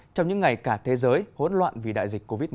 trong những ngày cả thế giới hỗn loạn vì đại dịch covid một mươi chín